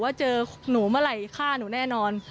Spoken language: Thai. เจอหนูเมื่อไหร่ฆ่าหนูแน่นอน